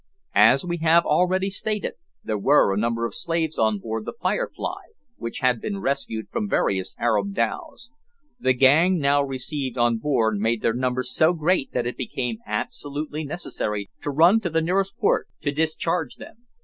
As we have already stated, there were a number of slaves on board the "Firefly," which had been rescued from various Arab dhows. The gang now received on board made their numbers so great that it became absolutely necessary to run to the nearest port to discharge them.